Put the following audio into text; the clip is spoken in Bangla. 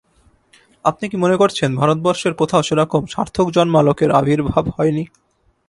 আপনি কি মনে করছেন ভারতবর্ষের কোথাও সেরকম সার্থকজন্মা লোকের আবির্ভাব হয় নি?